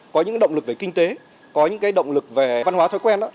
có những động lực về kinh tế có những động lực về văn hóa thói quen